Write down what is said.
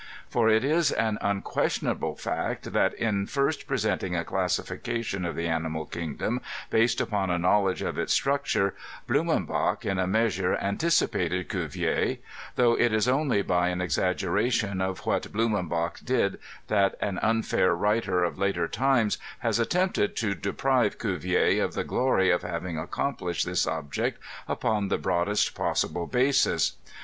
For it is an unquestionable fact that in first presenting a classification of the animal kingdom based upon a knowledge of its structure, Blumenbach in a measure antici pated Cuvier ; though it is only by an exaggeration of what Blu menbach did that an unfair writer of later times has attempted to deprive Cuvier of the glory of having accomplished this ob ject upon the broadest possible basis.